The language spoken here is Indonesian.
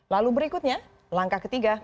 lalu berikutnya langkah ketiga